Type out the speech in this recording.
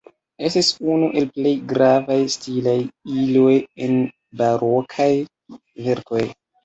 Estis unu el plej gravaj stilaj iloj en barokaj verkoj.